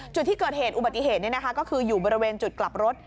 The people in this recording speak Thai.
จุดที่เกิดเหตุอุบัติเหตุก็คืออยู่บริเวณจุดกลับรถ